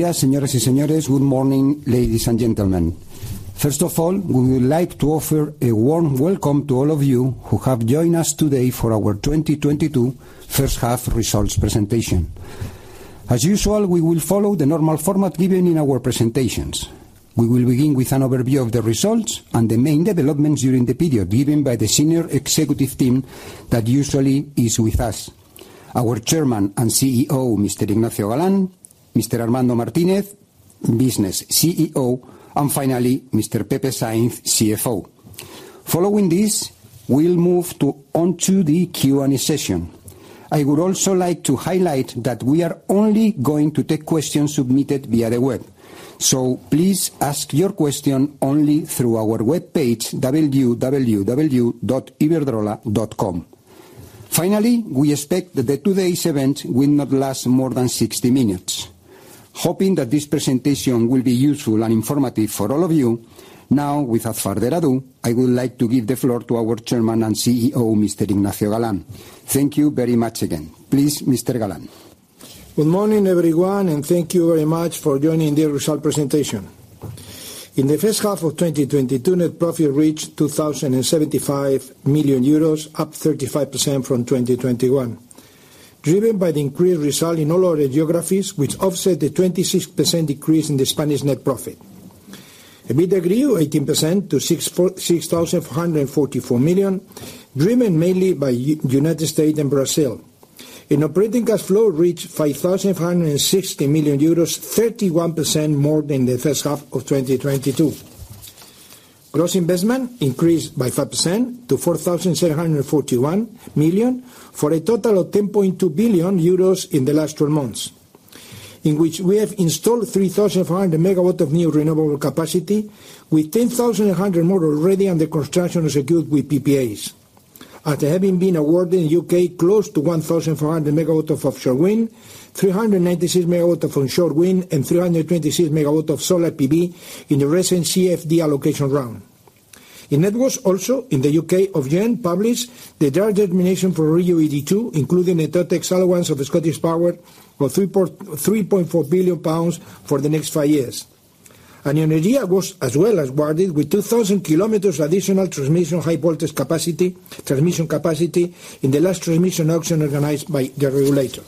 Buenas tardes, señoras y señores. Good morning, ladies and gentlemen. First of all, we would like to offer a warm welcome to all of you who have joined us today for our 2022 First-Half Results Presentation. As usual, we will follow the normal format given in our presentations. We will begin with an overview of the results and the main developments during the period given by the senior executive team that usually is with us. Our Chairman and CEO, Mr. Ignacio Galán, Mr. Armando Martínez, Business CEO, and finally, Mr. Pepe Sainz, CFO. Following this, we'll move onto the Q&A session. I would also like to highlight that we are only going to take questions submitted via the web. Please ask your question only through our webpage, www.iberdrola.com. Finally, we expect that today's event will not last more than 60 minutes. Hoping that this presentation will be useful and informative for all of you. Now, without further ado, I would like to give the floor to our Chairman and CEO, Mr. Ignacio Galán. Thank you very much again. Please, Mr. Galán. Good morning, everyone, and thank you very much for joining the results presentation. In the first half of 2022, net profit reached 2,075 million euros, up 35% from 2021, driven by the increased result in all our geographies which offset the 26% decrease in the Spanish net profit. EBITDA grew 18% to 6,444 million, driven mainly by United States and Brazil. Operating cash flow reached 5,460 million euros, 31% more than the first half of 2021. Gross investment increased by 5% to 4,741 million, for a total of 10.2 billion euros in the last 12 months, in which we have installed 3,400 MW of new renewable capacity with 10,100 more already under construction secured with PPAs. After having been awarded in U.K. close to 1,400 MW of offshore wind, 396 MW of onshore wind, and 326 MW of solar PV in the recent CFD allocation round. In networks also, in the U.K., Ofgem published the draft determination for RIIO-ED2, including the TotEx allowance of the ScottishPower of 3.4 billion pounds for the next five years. Neoenergia was as well awarded with 2,000 km additional transmission high voltage capacity, transmission capacity in the last transmission auction organized by the regulator.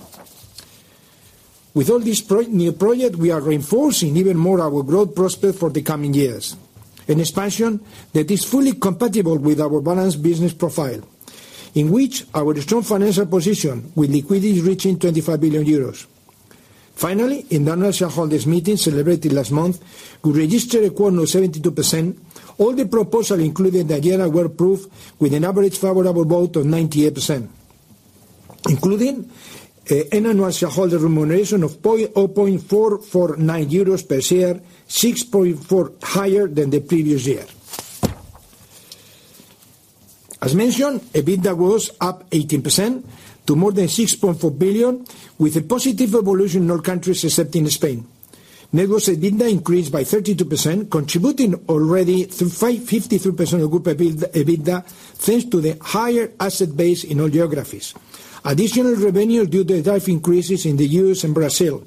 With all these new project, we are reinforcing even more our growth prospect for the coming years, an expansion that is fully compatible with our balanced business profile, in which our strong financial position with liquidity is reaching 25 billion euros. Finally, in the annual shareholders meeting celebrated last month, we registered a quorum of 72%. All the proposal included in the agenda were approved with an average favorable vote of 98%, including an annual shareholder remuneration of 0.449 euros per share, 6.4% higher than the previous year. As mentioned, EBITDA was up 18% to more than 6.4 billion, with a positive evolution in all countries except in Spain. Networks EBITDA increased by 32%, contributing already through 53% of group EBITDA, thanks to the higher asset base in all geographies. Additional revenue due to tariff increases in the U.S. and Brazil.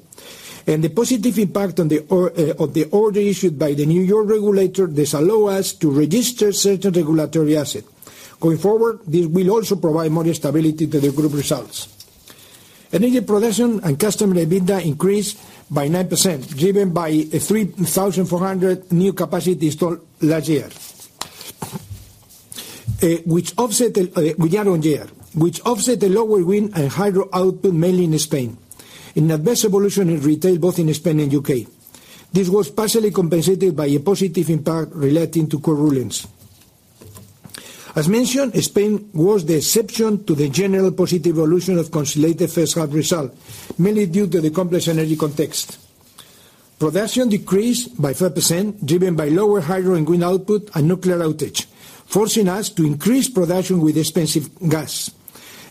The positive impact of the order issued by the New York regulator does allow us to register certain regulatory asset. Going forward, this will also provide more stability to the group results. Energy production and customer EBITDA increased by 9%, driven by 3,400 new capacity installed last year, which offset the lower wind and hydro output mainly in Spain, and the best evolution in retail, both in Spain and U.K. This was partially compensated by a positive impact relating to court rulings. As mentioned, Spain was the exception to the general positive evolution of consolidated first half result, mainly due to the complex energy context. Production decreased by 5%, driven by lower hydro and wind output and nuclear outage, forcing us to increase production with expensive gas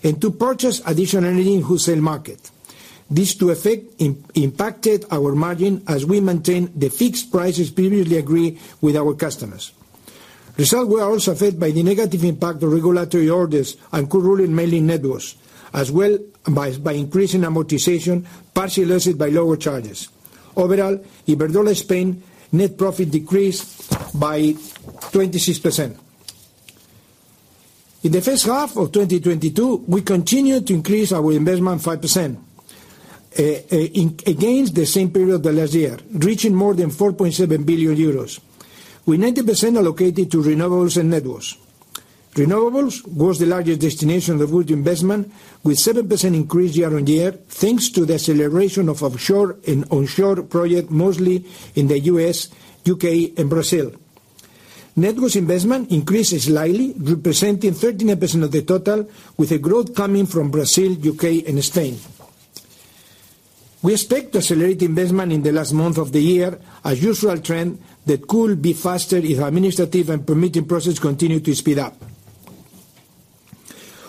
and to purchase additional energy in wholesale market. These two effects impacted our margin as we maintain the fixed prices previously agreed with our customers. Results were also affected by the negative impact of regulatory orders and court ruling mainly in networks, as well as by increasing amortization, partially offset by lower charges. Overall, Iberdrola Spain net profit decreased by 26%. In the first half of 2022, we continued to increase our investment 5% against the same period last year, reaching more than 4.7 billion euros, with 90% allocated to renewables and networks. Renewables was the largest destination of group investment with 7% increase year-on-year, thanks to the construction of offshore and onshore projects, mostly in the U.S., U.K., and Brazil. Networks investment increased slightly, representing 13% of the total, with a growth coming from Brazil, U.K., and Spain. We expect to accelerate investment in the last month of the year, a usual trend that could be faster if administrative and permitting processes continue to speed up.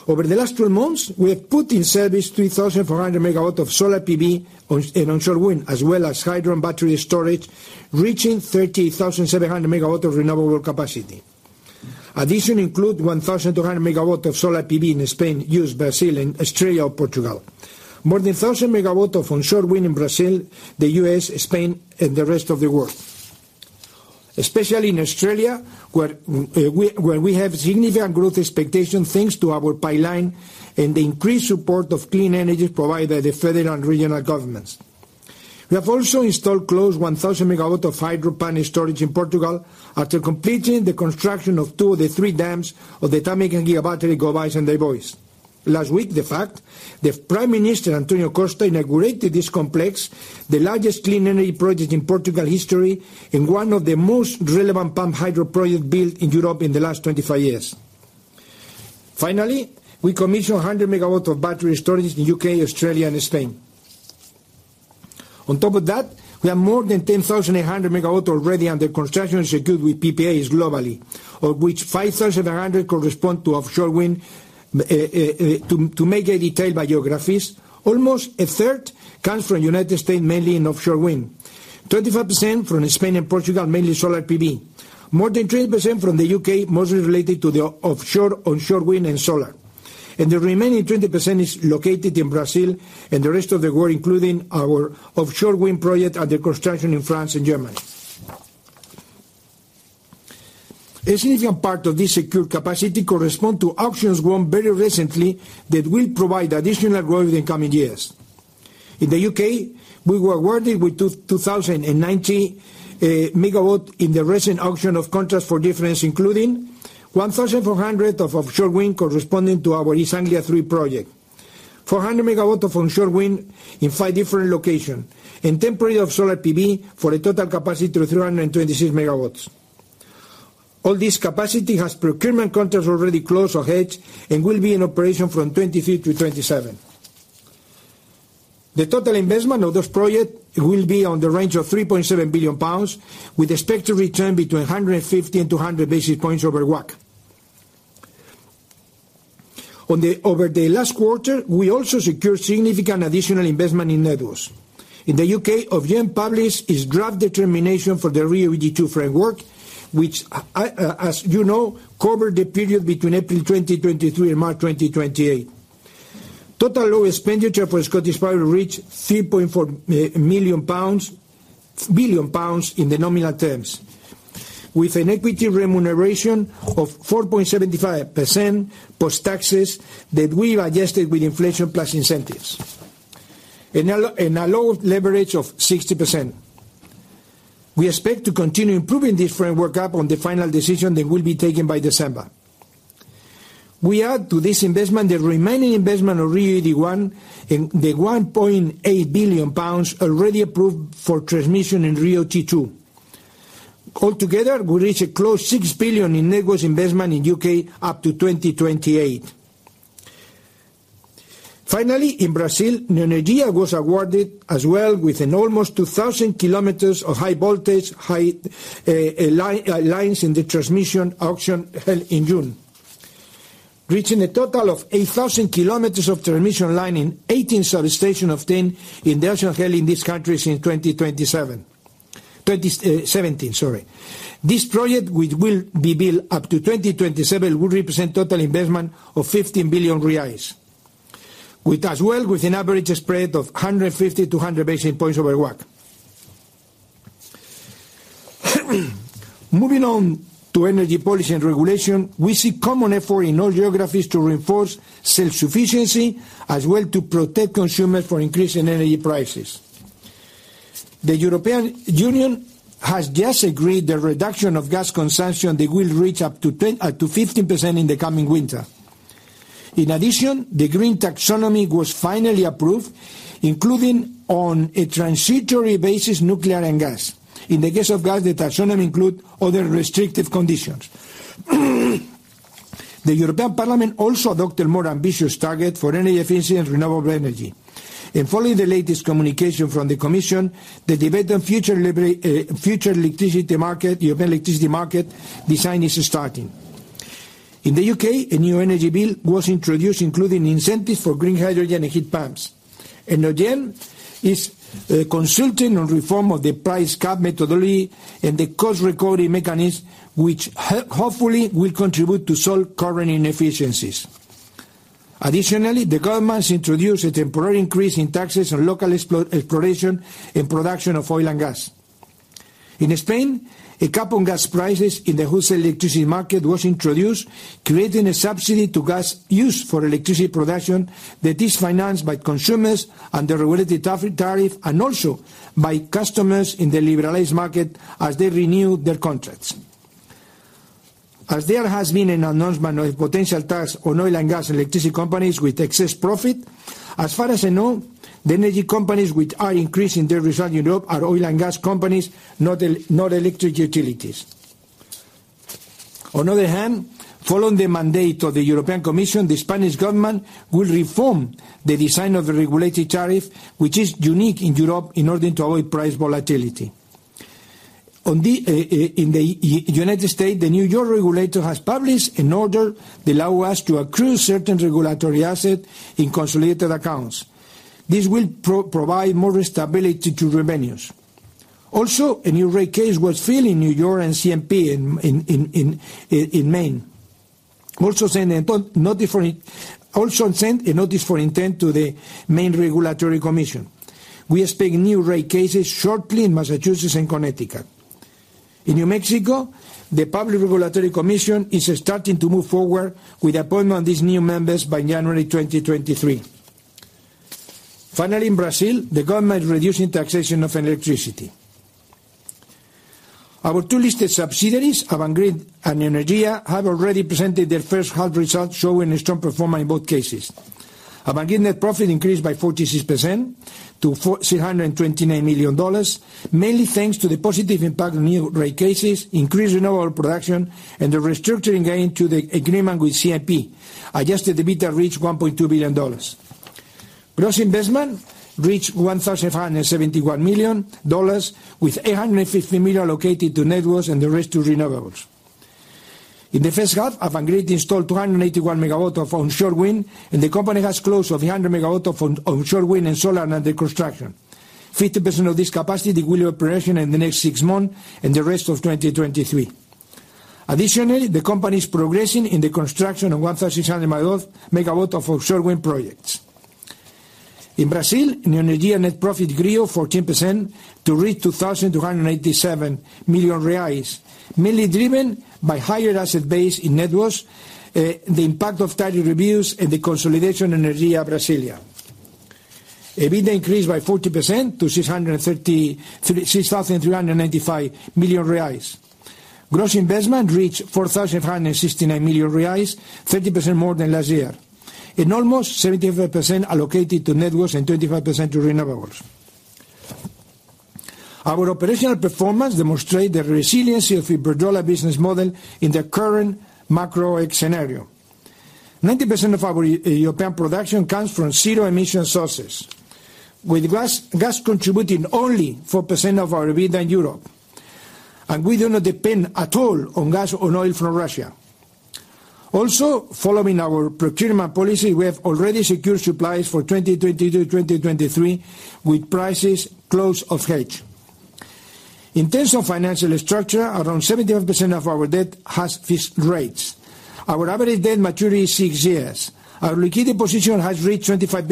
Over the last 12 months, we have put in service 3,400 MW of solar PV, onshore wind, as well as hydro and battery storage, reaching 38,700 MW of renewable capacity. Additions include 1,200 MW of solar PV in Spain, U.S., Brazil, and Australia, and Portugal. More than 1,000 MW of onshore wind in Brazil, the U.S., Spain, and the rest of the world. Especially in Australia, where we have significant growth expectation thanks to our pipeline and the increased support of clean energy provided by the federal and regional governments. We have also installed close to 1,000 MW of hydropower battery storage in Portugal after completing the construction of two of the three dams of the Tâmega giga battery, Gouvães and Daivões. Last week, in fact, the Prime Minister, António Costa, inaugurated this complex, the largest clean energy project in Portugal's history and one of the most relevant pumped hydro project built in Europe in the last 25 years. Finally, we commission 100 MW of battery storage in the U.K., Australia, and Spain. On top of that, we have more than 10,800 MW already under construction secured with PPAs globally, of which 5,800 correspond to offshore wind. To make a detail by geographies, almost a third comes from United States, mainly in offshore wind. 25% from Spain and Portugal, mainly solar PV. More than 20% from the U.K., mostly related to the offshore, onshore wind and solar. The remaining 20% is located in Brazil and the rest of the world, including our offshore wind project under construction in France and Germany. A significant part of this secure capacity correspond to auctions won very recently that will provide additional growth in the coming years. In the U.K., we were awarded with 2,090 MW in the recent auction of contracts for difference, including 1,400 of offshore wind corresponding to our East Anglia THREE project. 400 MW of onshore wind in five different locations and 326 MW of solar PV for a total capacity of 326 MW. All this capacity has procurement contracts already closed or hedged and will be in operation from 2023 to 2027. The total investment of this project will be in the range of 3.7 billion pounds, with expected return between 150 and 200 basis points over WACC. Over the last quarter, we also secured significant additional investment in networks. In the U.K., Ofgem published its draft determination for the RIIO-GD2 framework, which, as you know, covered the period between April 2023 and March 2028. Total TotEx for ScottishPower reached 3.4 billion pounds in the nominal terms, with an equity remuneration of 4.75% post-taxes that we adjusted with inflation plus incentives and a low leverage of 60%. We expect to continue improving this framework upon the final decision that will be taken by December. We add to this investment the remaining investment of RIIO-GD1 and the 1.8 billion pounds already approved for transmission in RIIO-T2. Altogether, we reach close to 6 billion in networks investment in U.K. up to 2028. Finally, in Brazil, Neoenergia was awarded as well with almost 2,000 km of high voltage lines in the transmission auction held in June, reaching a total of 8,000 km of transmission line in 18 substations obtained in the auction held in these countries in 2017. This project, which will be built up to 2027, will represent total investment of 15 billion reais with an average spread of 150-200 basis points over WACC. Moving on to energy policy and regulation, we see common effort in all geographies to reinforce self-sufficiency, as well as to protect consumers from increasing energy prices. The European Union has just agreed on the reduction of gas consumption that will reach up to 10%-15% in the coming winter. In addition, the EU Green Taxonomy was finally approved, including on a transitory basis, nuclear and gas. In the case of gas, the taxonomy include other restrictive conditions. The European Parliament also adopted a more ambitious target for energy efficiency and renewable energy. Following the latest communication from the Commission, the debate on future electricity market, European electricity market design is starting. In the U.K., a new energy bill was introduced, including incentives for green hydrogen and heat pumps. Ofgem is consulting on reform of the price cap methodology and the cost recovery mechanism, which hopefully will contribute to solve current inefficiencies. Additionally, the government's introduced a temporary increase in taxes on local exploration and production of oil and gas. In Spain, a cap on gas prices in the wholesale electricity market was introduced, creating a subsidy to gas use for electricity production that is financed by consumers and the regulated tariff, and also by customers in the liberalized market as they renew their contracts. As there has been an announcement of a potential tax on oil and gas electricity companies with excess profit, as far as I know, the energy companies which are increasing their reserve in Europe are oil and gas companies, not electric utilities. On the other hand, following the mandate of the European Commission, the Spanish government will reform the design of the regulated tariff, which is unique in Europe, in order to avoid price volatility. In the United States, the New York regulator has published an order that allow us to accrue certain regulatory asset in consolidated accounts. This will provide more stability to revenues. A new rate case was filed in New York and CMP in Maine. Also sent a notice of intent to the Maine Regulatory Commission. We expect new rate cases shortly in Massachusetts and Connecticut. In New Mexico, the New Mexico Public Regulation Commission is starting to move forward with appointment of these new members by January 2023. Finally, in Brazil, the government is reducing taxation of electricity. Our two listed subsidiaries, Avangrid and Neoenergia, have already presented their first half results, showing a strong performance in both cases. Avangrid net profit increased by 46% to $429 million, mainly thanks to the positive impact of new rate cases, increased renewable production, and the restructuring gain from the agreement with CIP. Adjusted EBITDA reached $1.2 billion. Gross investment reached $1,571 million, with $850 million allocated to networks and the rest to renewables. In the first half, Avangrid installed 281 MW of offshore wind, and the company has close to a hundred MW of onshore wind and solar under construction. 50% of this capacity will be operational in the next six months and the rest of 2023. Additionally, the company is progressing in the construction of 1,600 MW of offshore wind projects. In Brazil, Neoenergia net profit grew 14% to reach 2,287 million reais, mainly driven by higher asset base in networks, the impact of tariff reviews, and the consolidation in Neoenergia Brasília. EBITDA increased by 40% to 6,395 million reais. Gross investment reached 4,569 million reais, 30% more than last year, and almost 70% allocated to networks and 25% to renewables. Our operational performance demonstrate the resiliency of Iberdrola business model in the current macro scenario. 90% of our European production comes from zero-emission sources, with gas contributing only 4% of our EBITDA in Europe. We do not depend at all on gas or oil from Russia. Also, following our procurement policy, we have already secured supplies for 2022, 2023, with prices close to hedge. In terms of financial structure, around 71% of our debt has fixed rates. Our average debt maturity is six years. Our liquidity position has reached 25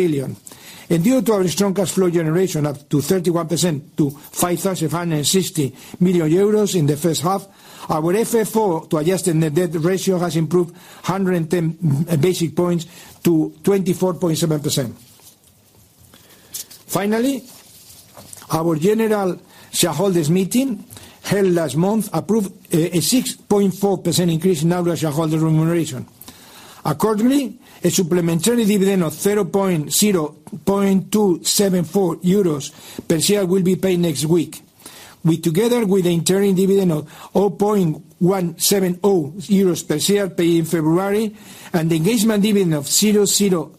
billion. Due to our strong cash flow generation, up 31% to 5,560 million euros in the first half, our FFO to adjusted net debt ratio has improved 110 basis points to 24.7%. Finally, our general shareholders meeting held last month approved a 6.4% increase in average shareholder remuneration. Accordingly, a supplementary dividend of 0.274 euros per share will be paid next week. This, together with the interim dividend of 0.170 euros per share paid in February and the final dividend of 0.005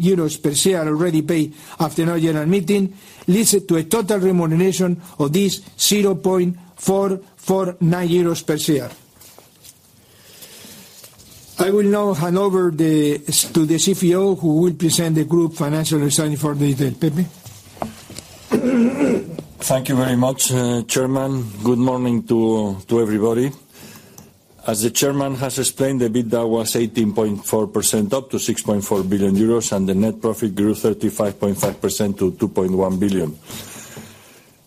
euros per share already paid after our general meeting, leads to a total remuneration of 0.449 euros per share. I will now hand over to the CFO, who will present the group financial results for the day. Pepe? Thank you very much, Chairman. Good morning to everybody. As the Chairman has explained, the EBITDA was 18.4%, up to 6.4 billion euros, and the net profit grew 35.5% to 2.1 billion.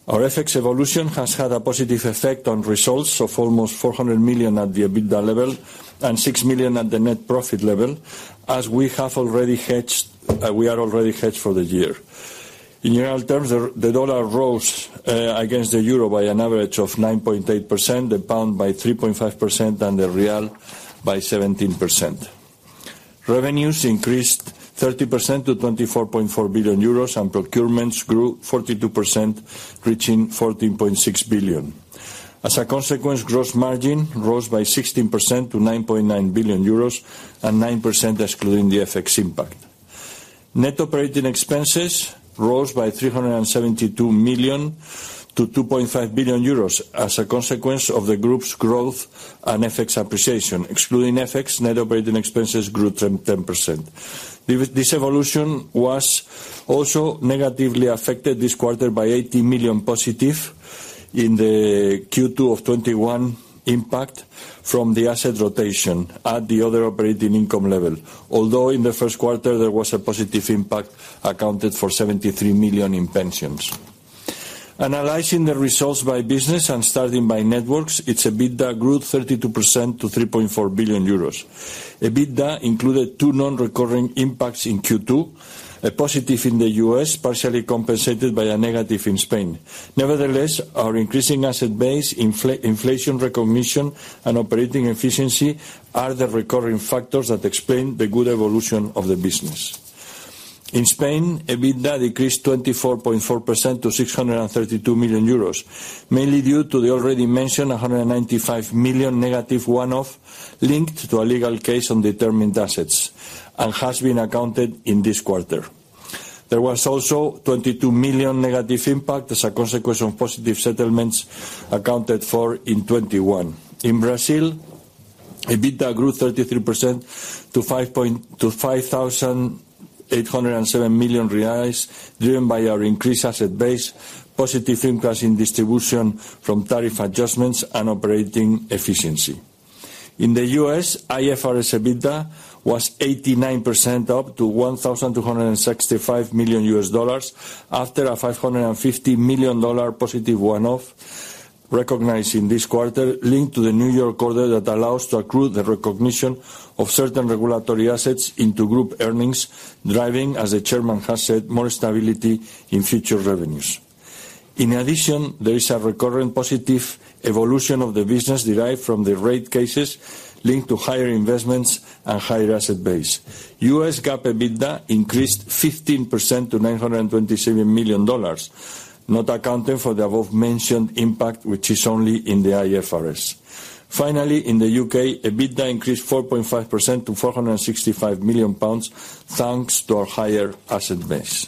Our FX evolution has had a positive effect on results of almost 400 million at the EBITDA level and 6 million at the net profit level, as we have already hedged, we are already hedged for the year. In general terms, the dollar rose against the euro by an average of 9.8%, the pound by 3.5%, and the real by 17%. Revenues increased 30% to 24.4 billion euros, and procurements grew 42%, reaching 14.6 billion. As a consequence, gross margin rose by 16% to 9.9 billion euros and 9% excluding the FX impact. Net operating expenses rose by 372 million to 2.5 billion euros as a consequence of the group's growth and FX appreciation. Excluding FX, net operating expenses grew 10%. This evolution was also negatively affected this quarter by 80 million positive in the Q2 of 2021 impact from the asset rotation at the other operating income level. Although in the first quarter there was a positive impact accounted for 73 million in pensions. Analyzing the results by business and starting by networks, its EBITDA grew 32% to 3.4 billion euros. EBITDA included two non-recurring impacts in Q2, a positive in the U.S., partially compensated by a negative in Spain. Nevertheless, our increasing asset base, inflation recognition, and operating efficiency are the recurring factors that explain the good evolution of the business. In Spain, EBITDA decreased 24.4% to EUR 632 million, mainly due to the already mentioned EUR 195 million negative one-off linked to a legal case on determined assets and has been accounted in this quarter. There was also EUR 22 million negative impact as a consequence of positive settlements accounted for in 2021. In Brazil, EBITDA grew 33% to 5,807 million reais, driven by our increased asset base, positive increase in distribution from tariff adjustments and operating efficiency. In the U.S., IFRS EBITDA was 89% up to $1,265 million after a $550 million positive one-off recognized in this quarter, linked to the New York order that allows to accrue the recognition of certain regulatory assets into group earnings, driving, as the chairman has said, more stability in future revenues. In addition, there is a recurring positive evolution of the business derived from the rate cases linked to higher investments and higher asset base. U.S. GAAP EBITDA increased 15% to $927 million, not accounting for the above-mentioned impact, which is only in the IFRS. Finally, in the U.K., EBITDA increased 4.5% to 465 million pounds, thanks to our higher asset base.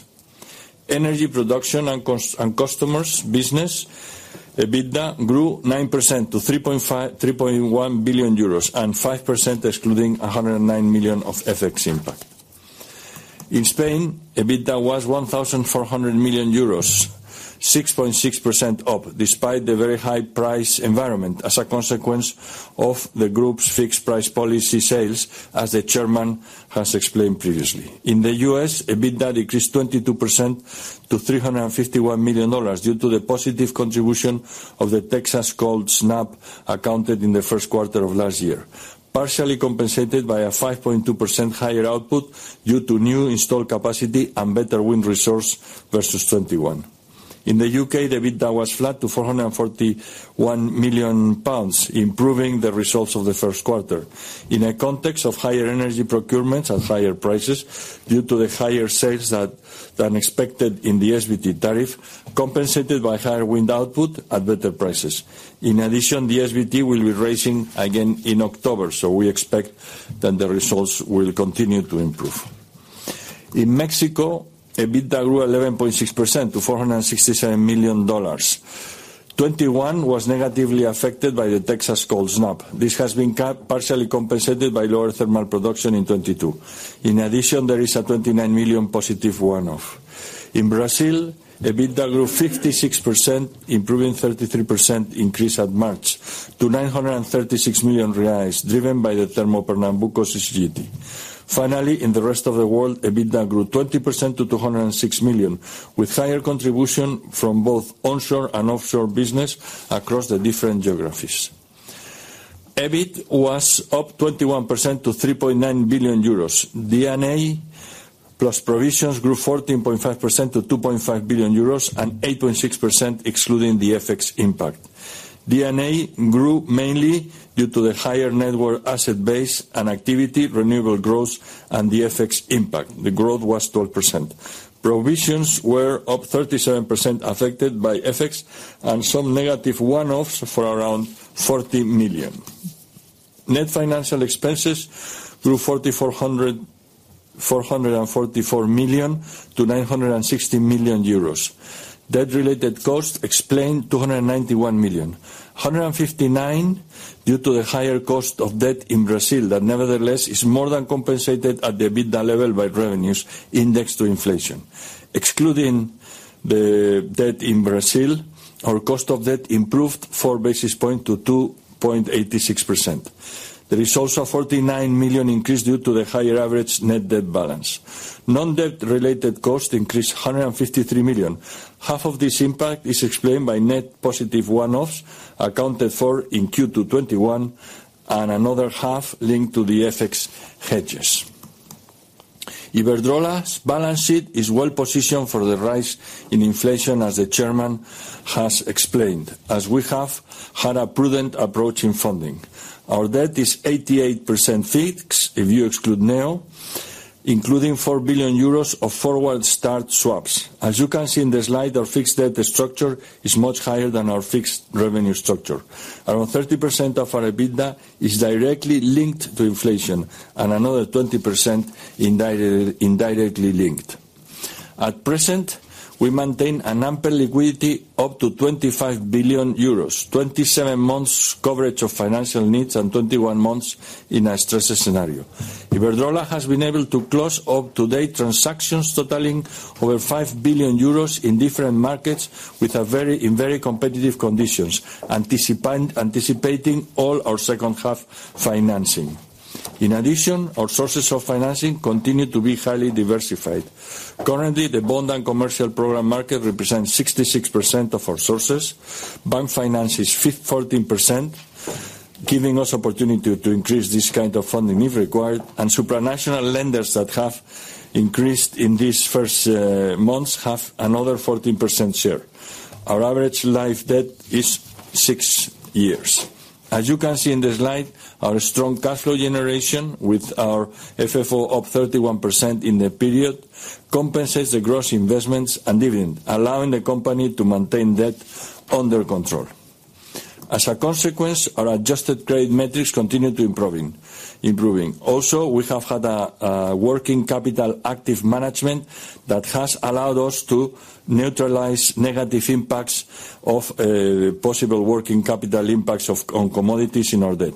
Energy production and customers business, EBITDA grew 9% to 3.1 billion euros, and 5% excluding 109 million of FX impact. In Spain, EBITDA was 1,400 million euros, 6.6% up, despite the very high price environment as a consequence of the group's fixed price policy sales, as the chairman has explained previously. In the U.S., EBITDA decreased 22% to $351 million due to the positive contribution of the Texas cold snap accounted in the first quarter of last year, partially compensated by a 5.2% higher output due to new installed capacity and better wind resource versus 2021. In the U.K., the EBITDA was flat to 441 million pounds, improving the results of the first quarter in a context of higher energy procurements at higher prices due to the higher sales than expected in the SVT tariff, compensated by higher wind output at better prices. In addition, the SVT will be raising again in October, so we expect that the results will continue to improve. In Mexico, EBITDA grew 11.6% to $467 million. 2021 was negatively affected by the Texas cold snap. This has been partially compensated by lower thermal production in 2022. In addition, there is a $29 million positive one-off. In Brazil, EBITDA grew 56%, improving thirty-three percent increase at March to 936 million reais, driven by the Termo Pernambuco CCGT. Finally, in the rest of the world, EBITDA grew 20% to 206 million, with higher contribution from both onshore and offshore business across the different geographies. EBIT was up 21% to 3.9 billion euros. D&A plus provisions grew 14.5% to 2.5 billion euros, and 8.6% excluding the FX impact. D&A grew mainly due to the higher net worth asset base and activity, renewable growth, and the FX impact. The growth was 12%. Provisions were up 37% affected by FX and some negative one-offs for around 40 million. Net financial expenses grew 444 million to 960 million euros. Debt-related costs explained 291 million, 159 due to the higher cost of debt in Brazil that, nevertheless, is more than compensated at the EBITDA level by revenues indexed to inflation. Excluding the debt in Brazil, our cost of debt improved 4 basis points to 2.86%. There is also a 49 million increase due to the higher average net debt balance. Non-debt-related costs increased 153 million. Half of this impact is explained by net positive one-offs accounted for in Q2 2021, and another half linked to the FX hedges. Iberdrola's balance sheet is well positioned for the rise in inflation, as the chairman has explained, as we have had a prudent approach in funding. Our debt is 88% fixed if you exclude Neo, including 4 billion euros of forward start swaps. As you can see in the slide, our fixed debt structure is much higher than our fixed revenue structure. Around 30% of our EBITDA is directly linked to inflation, and another 20% indirectly linked. At present, we maintain an ample liquidity up to 25 billion euros, 27 months coverage of financial needs, and 21 months in a stress scenario. Iberdrola has been able to close to date transactions totaling over 5 billion euros in different markets in very competitive conditions, anticipating all our second half financing. In addition, our sources of financing continue to be highly diversified. Currently, the bond and commercial program market represents 66% of our sources. Bank finance is 14%, giving us opportunity to increase this kind of funding if required. Supranational lenders that have increased in these first months have another 14% share. Our average life debt is six years. As you can see in the slide, our strong cash flow generation with our FFO up 31% in the period compensates the gross investments and even allowing the company to maintain debt under control. As a consequence, our adjusted credit metrics continue to improving. We have had a working capital active management that has allowed us to neutralize negative impacts of possible working capital impacts on commodities in our debt.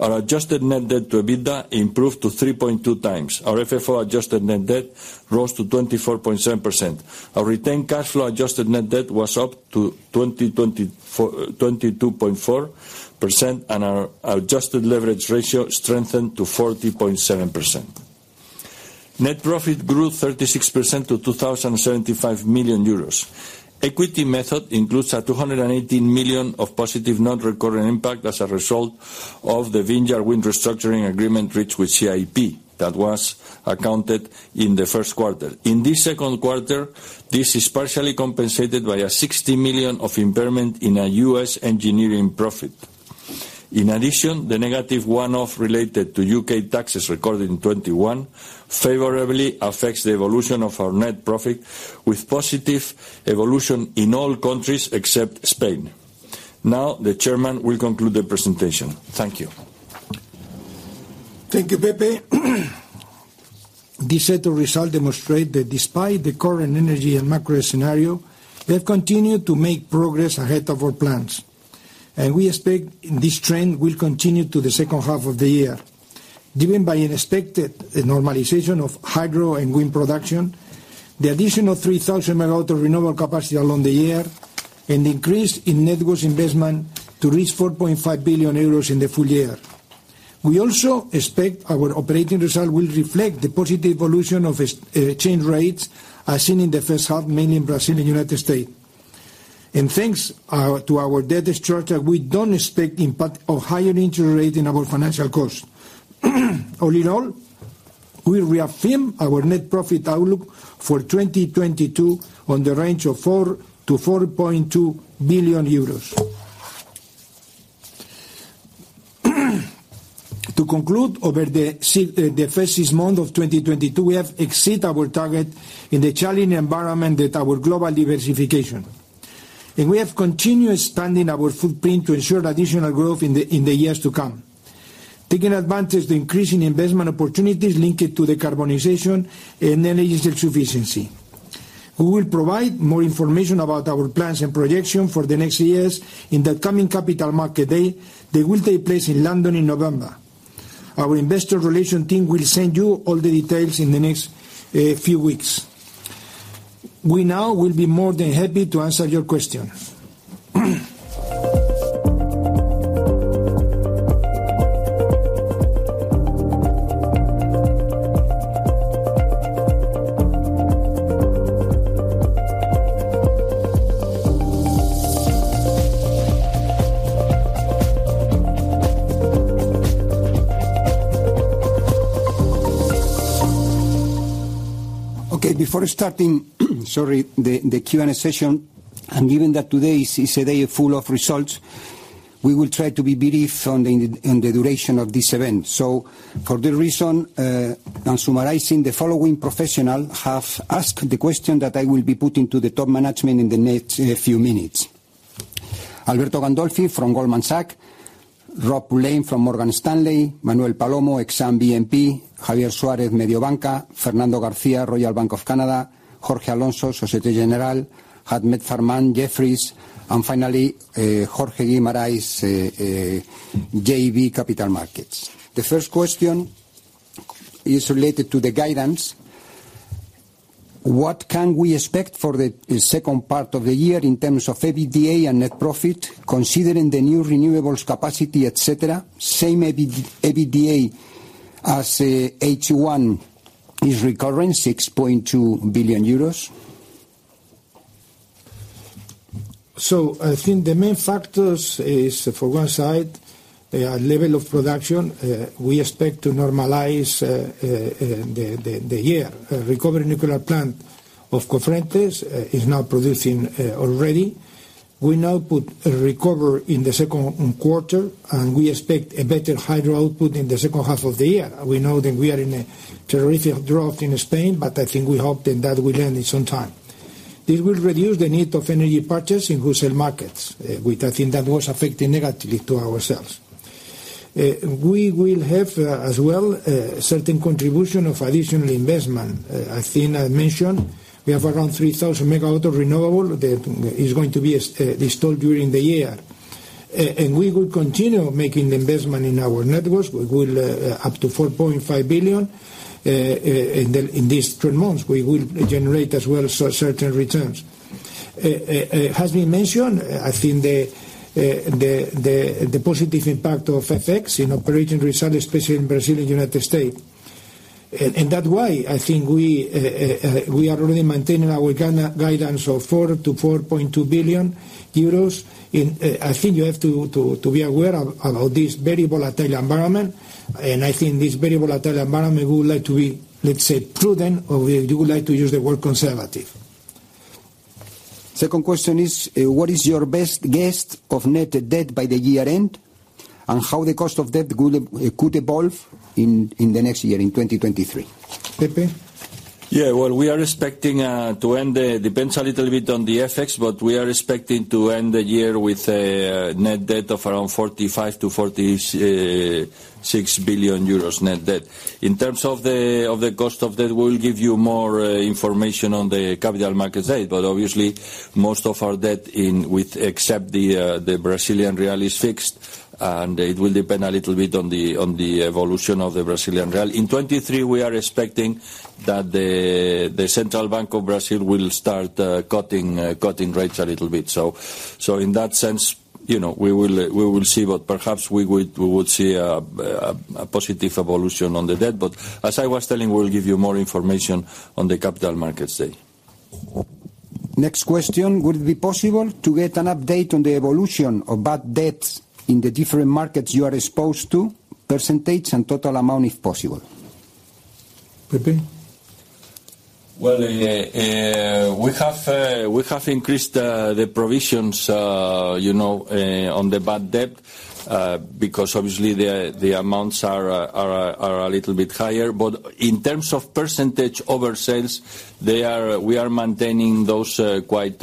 Our adjusted net debt to EBITDA improved to 3.2x. Our FFO adjusted net debt rose to 24.7%. Our retained cash flow adjusted net debt was up to 22.4%, and our adjusted leverage ratio strengthened to 40.7%. Net profit grew 36% to 2,075 million euros. Equity method includes a 218 million of positive non-recurrent impact as a result of the Vineyard Wind restructuring agreement reached with CIP that was accounted in the first quarter. In this second quarter, this is partially compensated by a 60 million of impairment in our U.S. engineering profit. In addition, the negative one-off related to U.K. taxes recorded in 2021 favorably affects the evolution of our net profit, with positive evolution in all countries except Spain. Now, the chairman will conclude the presentation. Thank you. Thank you, Pepe. This set of results demonstrate that despite the current energy and macro scenario, we have continued to make progress ahead of our plans. We expect this trend will continue to the second half of the year, driven by an expected normalization of hydro and wind production, the additional 3,000 MW of renewable capacity along the year, and the increase in networks investment to reach 4.5 billion euros in the full year. We also expect our operating result will reflect the positive evolution of exchange rates as seen in the first half, mainly in Brazil and United States. Thanks to our debt structure, we don't expect impact of higher interest rate in our financial costs. All in all, we reaffirm our net profit outlook for 2022 in the range of 4 billion-4.2 billion euros. To conclude, over the first six months of 2022, we have exceeded our target in the challenging environment with our global diversification. We have continued expanding our footprint to ensure additional growth in the years to come, taking advantage of the increasing investment opportunities linked to the decarbonization and energy transition. We will provide more information about our plans and projections for the next years in the coming Capital Markets Day that will take place in London in November. Our investor relations team will send you all the details in the next few weeks. We now will be more than happy to answer your questions. Okay. Before starting, sorry, the Q&A session, and given that today is a day full of results, we will try to be brief in the duration of this event. For that reason, and summarizing, the following professionals have asked the question that I will be putting to the top management in the next few minutes. Alberto Gandolfi from Goldman Sachs, Rob Pulleyn from Morgan Stanley, Manuel Palomo, Exane BNP Paribas, Javier Suarez, Mediobanca, Fernando Garcia, Royal Bank of Canada, Jorge Alonso, Société Générale, Ahmed Farman, Jefferies, and finally, Jorge Guimarães, JB Capital Markets. The first question is related to the guidance. What can we expect for the second part of the year in terms of EBITDA and net profit, considering the new renewables capacity, et cetera? Same EBITDA as H1 is recurring 6.2 billion euros. I think the main factors is, on one side, the level of production. We expect to normalize the year. The recovered nuclear plant of Cofrentes is now producing already. We now have a recovery in the second quarter, and we expect a better hydro output in the second half of the year. We know that we are in a terrible drought in Spain, but I think we hope that that will end in some time. This will reduce the need of energy purchase in wholesale markets, which I think that was affecting negatively to ourselves. We will have, as well, certain contribution of additional investment. As Tina mentioned, we have around 3,000 MW of renewables that is going to be installed during the year. We will continue making the investment in our networks. We will up to 4.5 billion in these three months. We will generate as well certain returns. It has been mentioned, I think the positive impact of FX in operating result, especially in Brazil and United States. That's why I think we are really maintaining our guidance of 4 billion-4.2 billion euros. I think you have to be aware of this very volatile environment, and I think this very volatile environment, we would like to be, let's say, prudent, or we would like to use the word conservative. Second question is, what is your best guess of net debt by the year end, and how the cost of debt could evolve in the next year, in 2023? Pepe? Yeah, well, we are expecting to end the year with net debt of around 45 billion-46 billion euros net debt. In terms of the cost of debt, we'll give you more information on the Capital Markets Day. But obviously, most of our debt is fixed except the Brazilian real, and it will depend a little bit on the evolution of the Brazilian real. In 2023, we are expecting that the Central Bank of Brazil will start cutting rates a little bit. In that sense, you know, we will see, but perhaps we would see a positive evolution on the debt. As I was telling, we'll give you more information on the Capital Markets Day. Next question. Would it be possible to get an update on the evolution of bad debts in the different markets you are exposed to, percentage and total amount, if possible? Pepe. Well, we have increased the provisions, you know, on the bad debt because obviously the amounts are a little bit higher. In terms of percentage over sales, we are maintaining those quite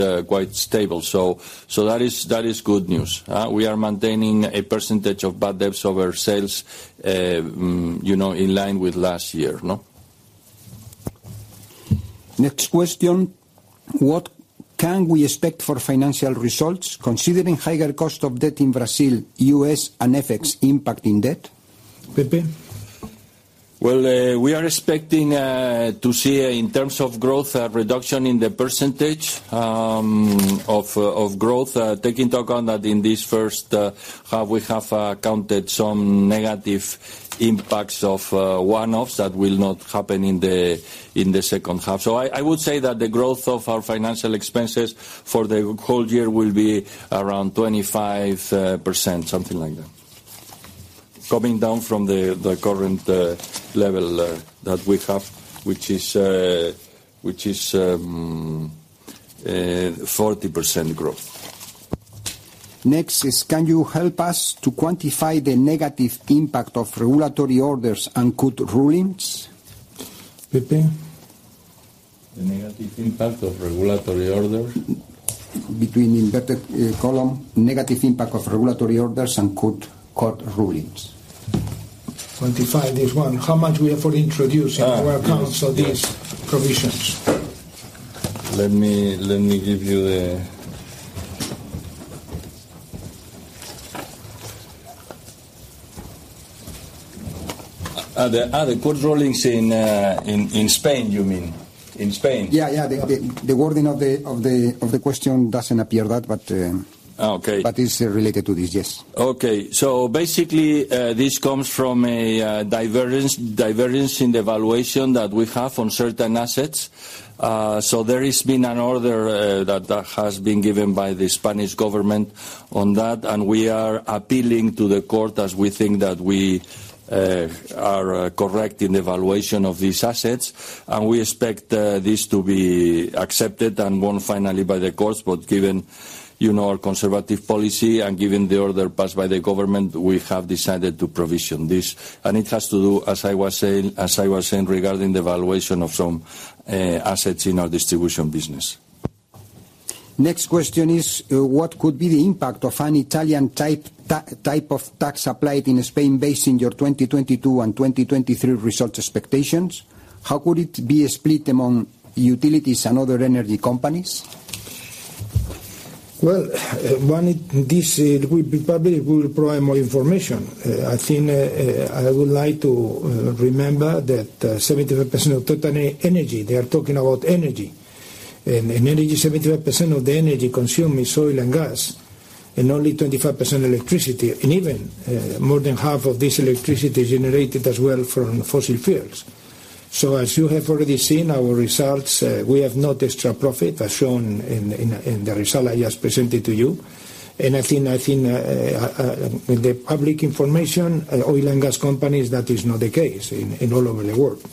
stable. That is good news. We are maintaining a percentage of bad debts over sales, you know, in line with last year, no? Next question. What can we expect for financial results considering higher cost of debt in Brazil, U.S. and FX impact in debt? Pepe. We are expecting to see, in terms of growth, a reduction in the percentage of growth, taking into account that in this first half, we have counted some negative impacts of one-offs that will not happen in the second half. I would say that the growth of our financial expenses for the whole year will be around 25%, something like that, coming down from the current level that we have, which is 40% growth. Next is, can you help us to quantify the negative impact of regulatory orders and court rulings? Pepe. The negative impact of regulatory orders? Between inverted column, negative impact of regulatory orders and court rulings. 25, this one. How much we have already introduced in our accounts of these provisions? Are the court rulings in Spain, you mean? In Spain? Yeah. The wording of the question doesn't appear that, but. Oh, okay. it's related to this, yes. Okay. Basically, this comes from a divergence in the valuation that we have on certain assets. There has been an order that has been given by the Spanish government on that, and we are appealing to the court as we think that we are correct in the valuation of these assets. We expect this to be accepted and won finally by the courts, but given, you know, our conservative policy and given the order passed by the government, we have decided to provision this. It has to do, as I was saying, regarding the valuation of some assets in our distribution business. Next question is, what could be the impact of an Italian type of tax applied in Spain based on your 2022 and 2023 results expectations? How could it be split among utilities and other energy companies? Well, when this, it will be public, we will provide more information. I think I would like to remember that 75% of total energy, they are talking about energy. In energy, 75% of the energy consumed is oil and gas, and only 25% electricity. Even more than half of this electricity is generated as well from fossil fuels. As you have already seen our results, we have no extra profit, as shown in the result I just presented to you. I think in the public information, oil and gas companies, that is not the case all over the world.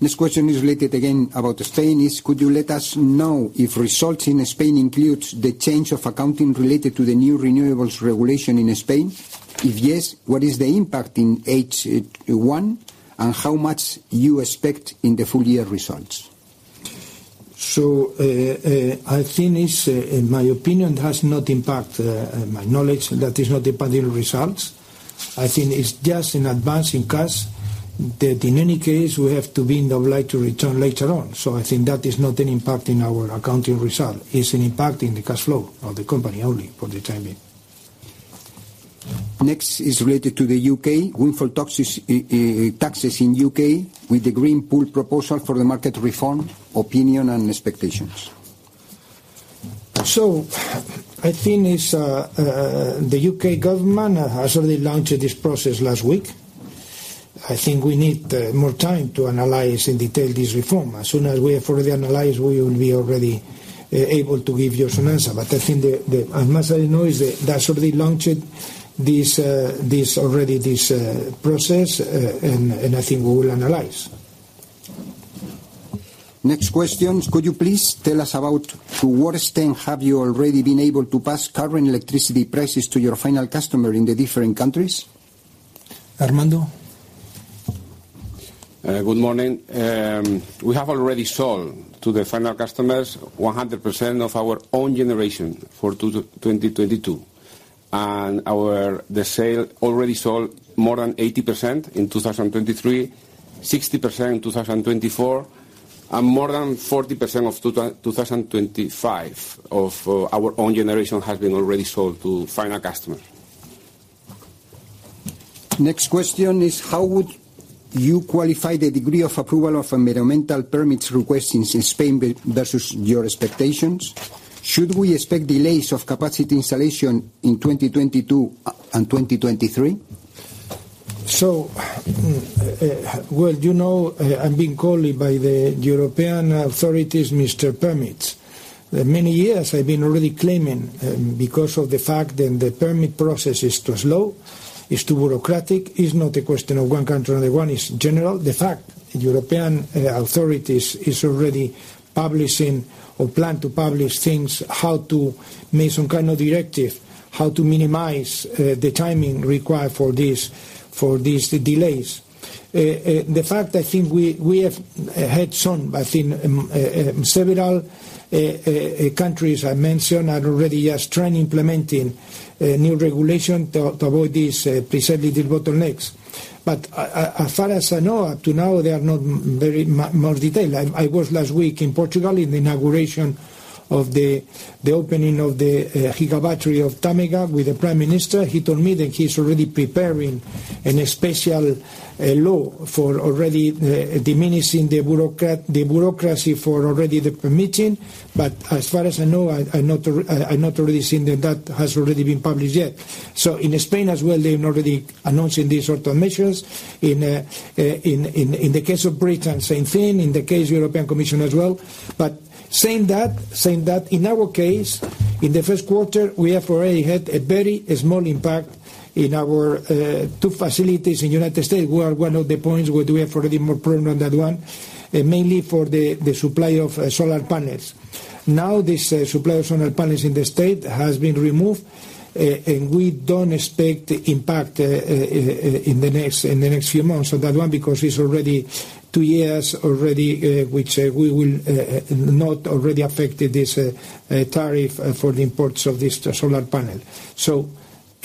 This question is related again about Spain. Could you let us know if results in Spain includes the change of accounting related to the new renewables regulation in Spain? If yes, what is the impact in H1, and how much you expect in the full year results? I think it's, in my opinion, it has no impact, to my knowledge, that is not impacting results. I think it's just an advance in cash that in any case, we have the right to return later on. I think that is not an impact in our accounting result. It's an impact in the cash flow of the company only for the time being. Next is related to the U.K.. Windfall taxes in UK with the green pool proposal for the market reform, opinion and expectations. I think it's the U.K. government has already launched this process last week. I think we need more time to analyze in detail this reform. As soon as we have fully analyzed, we will be already able to give you some answer. I think, as much as I know, is that they launched this process already, and I think we will analyze. Next question. Could you please tell us to what extent have you already been able to pass current electricity prices to your final customer in the different countries? Armando? Good morning. We have already sold to the final customers 100% of our own generation for 2022. We have already sold more than 80% in 2023, 60% in 2024, and more than 40% of 2025 of our own generation has already been sold to final customer. Next question is, how would you qualify the degree of approval of environmental permits requests in Spain versus your expectations? Should we expect delays of capacity installation in 2022 and 2023? Well, you know, I'm being called by the European authorities, Mr. Permits. Many years I've been already claiming because of the fact that the permit process is too slow, is too bureaucratic. It's not a question of one country, another one, it's general. The fact the European authorities is already publishing or plan to publish things, how to make some kind of directive, how to minimize the timing required for these, the delays. The fact I think we have had some, I think, several countries I mentioned are already, yes, trying implementing new regulation to avoid these present bottlenecks. But as far as I know, up to now, they are not very much detailed. I was last week in Portugal in the inauguration of the giga battery of Tâmega with the Prime Minister. He told me that he's already preparing a special law for already the diminishing the bureaucracy for already the permitting. As far as I know, I not really seen that has already been published yet. In Spain as well, they've already announcing these sort of measures. In the case of Britain, same thing, in the case of European Commission as well. Saying that, in our case, in the first quarter, we have already had a very small impact in our two facilities in United States, where one of the points where we have already more problem on that one, mainly for the supply of solar panels. Now, this supply of solar panels in the state has been removed, and we don't expect impact in the next few months on that one because it's already two years, which we will not already affected this tariff for the imports of this solar panel.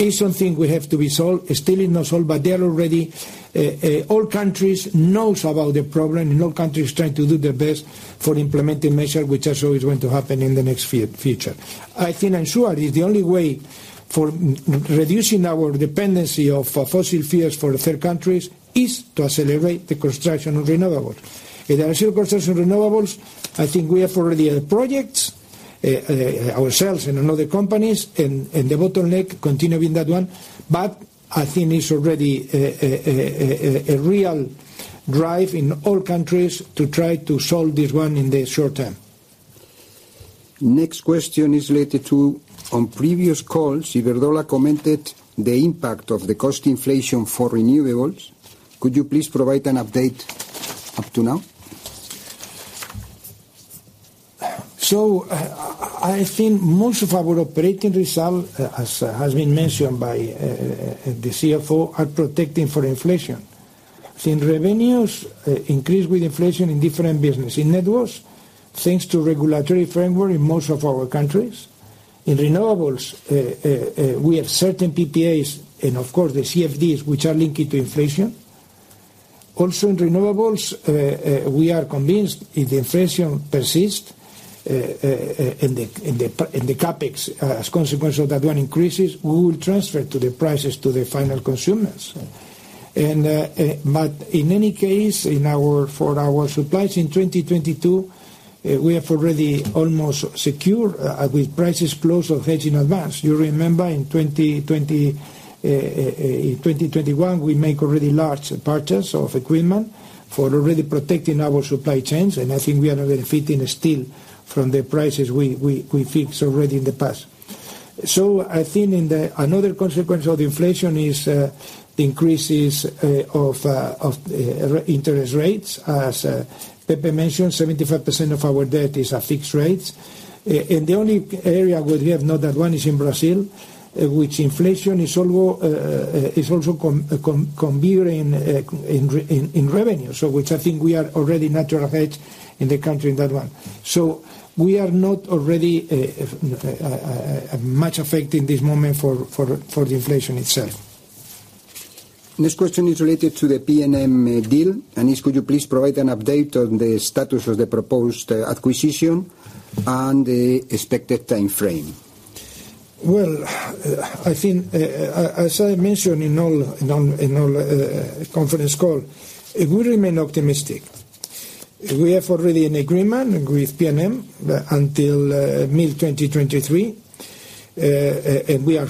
It's something we have to be solved. It's still not solved, but they are already. All countries know about the problem, and all countries trying to do their best for implementing measures which are always going to happen in the next future. I think I'm sure it is the only way for reducing our dependency on fossil fuels from third countries is to accelerate the construction of renewables. If there are still construction renewables, I think we have already a project ourselves and in other companies, and the bottleneck continue in that one. I think it's already a real drive in all countries to try to solve this one in the short term. Next question is related to, on previous calls, Iberdrola commented on the impact of the cost inflation for renewables. Could you please provide an update up to now? I think most of our operating result, as has been mentioned by the CFO, are protected against inflation. In revenues increase with inflation in different business. In networks, thanks to regulatory framework in most of our countries. In renewables, we have certain PPAs and of course the CFDs which are linked to inflation. Also in renewables, we are convinced if the inflation persist in the CapEx, as a consequence of that one increases, we will transfer to the prices to the final consumers. In any case, for our supplies in 2022, we have already almost secure with prices closed or hedged in advance. You remember in 2020, 2021, we make already large purchase of equipment for already protecting our supply chains, and I think we are already benefiting still from the prices we fixed already in the past. Another consequence of the inflation is increases in interest rates. As Pepe mentioned, 75% of our debt is fixed rates. The only area where we have not that one is in Brazil, which inflation is also compensated in revenue. I think we are already naturally hedged in the country in that one. We are not already much affected in this moment for the inflation itself. Next question is related to the PNM deal. Could you please provide an update on the status of the proposed acquisition and the expected timeframe? I think, as I mentioned in the conference call, we remain optimistic. We have already an agreement with PNM until mid-2023. We are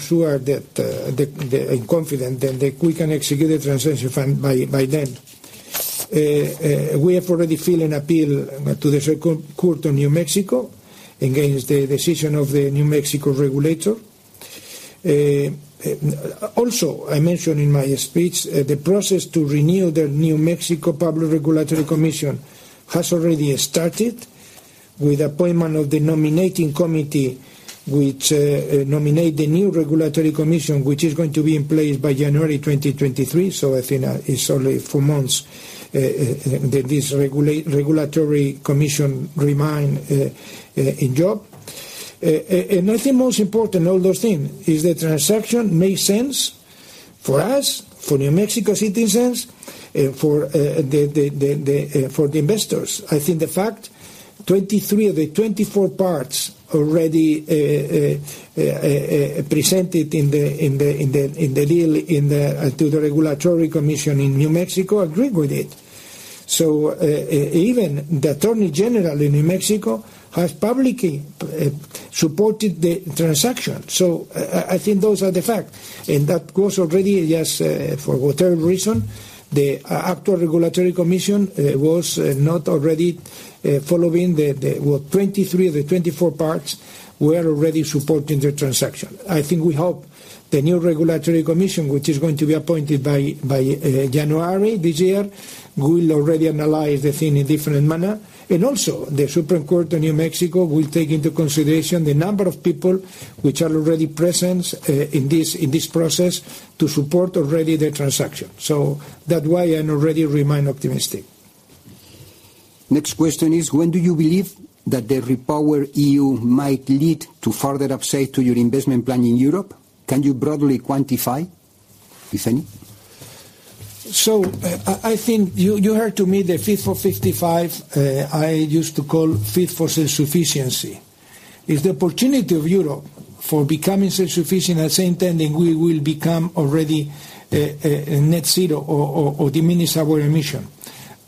confident that we can execute the transaction by then. We have already filed an appeal to the Second Court of New Mexico against the decision of the New Mexico Public Regulator. Also, I mentioned in my speech, the process to renew the New Mexico Public Regulatory Commission has already started with appointment of the nominating committee, which nominates the new regulatory commission, which is going to be in place by January 2023, so I think, it's only four months, this Regulatory Commission remains in job. I think most important all those thing is the transaction makes sense for us, for New Mexico citizens, for the investors. I think the fact 23 of the 24 parties already presented in the deal to the Regulatory Commission in New Mexico agreed with it. Even the attorney general in New Mexico has publicly supported the transaction. I think those are the fact, and that goes already, yes, for whatever reason, the actual Regulatory Commission was not already following the, well, 23 of the 24 parts were already supporting the transaction. I think we hope the new regulatory commission, which is going to be appointed by January this year, will already analyze the thing in a different manner. The Supreme Court of New Mexico will take into consideration the number of people which are already present in this process to support the transaction. That's why I remain optimistic. Next question is, when do you believe that the REPowerEU might lead to further upside to your investment plan in Europe? Can you broadly quantify, if any? I think you heard from me the Fit for 55. I used to call Fit for self-sufficiency. It's the opportunity of Europe for becoming self-sufficient. At the same time, we will become already a net zero or diminish our emissions.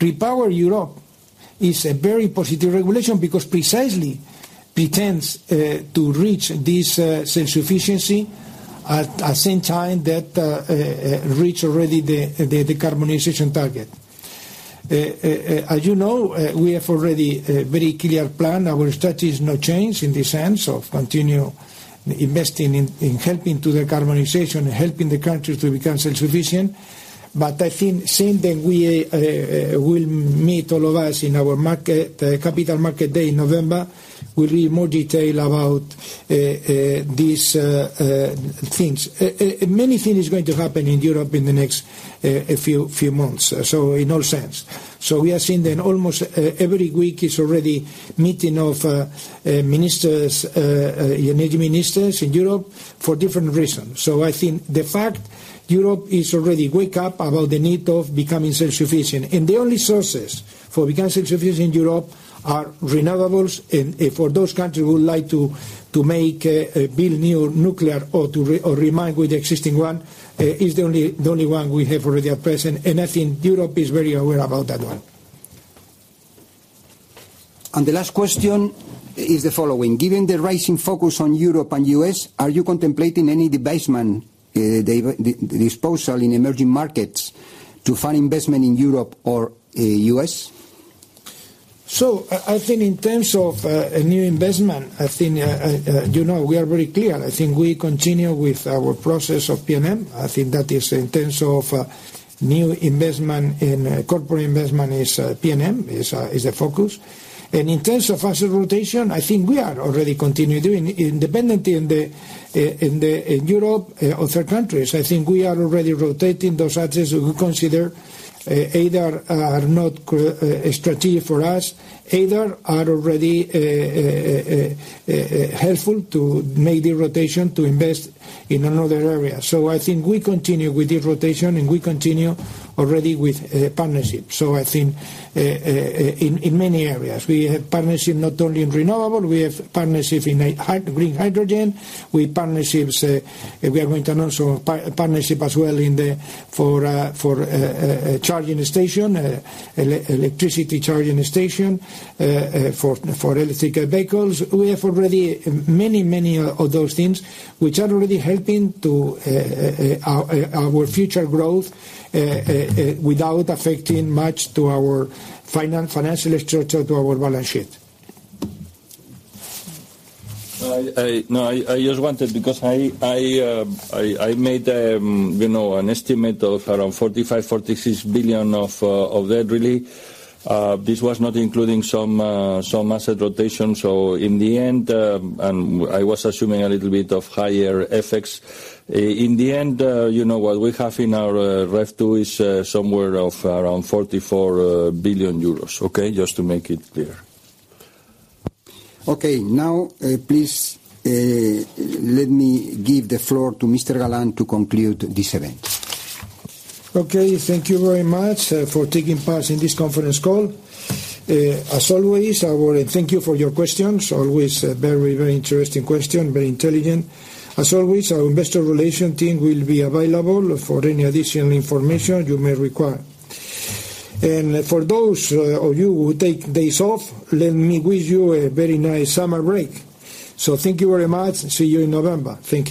REPowerEU is a very positive regulation because precisely intends to reach this self-sufficiency at the same time that we reach already the decarbonization target. As you know, we have already a very clear plan. Our strategy is not changed in the sense of continue investing in helping with the decarbonization, helping the countries to become self-sufficient. I think the same day, we will meet all of us in our Capital Markets Day in November. We'll hear more details about these things. Many things are going to happen in Europe in the next few months, in all sense. We are seeing that almost every week there is already a meeting of energy ministers in Europe for different reasons. I think the fact Europe is already waking up about the need of becoming self-sufficient, and the only sources to become self-sufficient in Europe are renewables. For those countries who would like to build new nuclear or to remain with the existing one, it is the only one we have already at present. I think Europe is very aware about that. The last question is the following: Given the rising focus on Europe and U.S., are you contemplating any divestment or disposal in emerging markets to fund investment in Europe or U.S.? I think in terms of a new investment, I think you know, we are very clear. I think we continue with our process of PNM. I think that is in terms of new investment in corporate investment, PNM is the focus. In terms of asset rotation, I think we are already continue doing independently in the in Europe other countries. I think we are already rotating those assets we consider either are not strategic for us, either are already helpful to make the rotation to invest in another area. I think we continue with the rotation, and we continue already with partnership. I think in many areas, we have partnership not only in renewable, we have partnership in green hydrogen. We have partnerships. We are going to announce a partnership as well for electricity charging stations for electric vehicles. We have already many of those things which are already helping our future growth without affecting much to our financial structure, to our balance sheet. No, I just wanted, because I made, you know, an estimate of around 45 billion-46 billion of that already . This was not including some asset rotation. In the end, and I was assuming a little bit of higher FX. In the end, you know, what we have in our revised view is somewhere around 44 billion euros, okay? Just to make it clear. Okay. Now, please, let me give the floor to Mr. Galán to conclude this event. Okay. Thank you very much for taking part in this conference call. As always, I wanna thank you for your questions. Always very interesting question, very intelligent. As always, our investor relation team will be available for any additional information you may require. For those of you who take days off, let me wish you a very nice summer break. Thank you very much, and see you in November. Thank you.